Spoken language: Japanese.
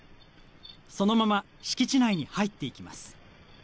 そのまま敷地内に入っていきます。